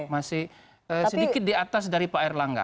masih sedikit di atas dari pak erlangga